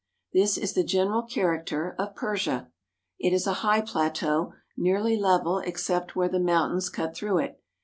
This is the general character of Persia. It is a high plateau, nearly level except where the mountains cut through it.